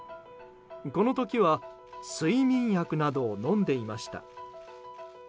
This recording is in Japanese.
この時は睡眠薬などを飲んでいました。